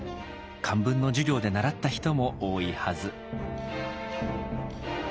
漢文の授業で習った人も多いはず。